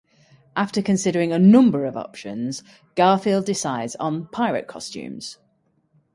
After considering a number of options, Garfield decides on pirate costumes.